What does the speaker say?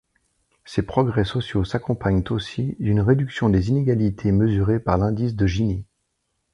Ces progrès sociaux s’accompagnent aussi d'une réduction des inégalités mesurées par l'indice de Gini.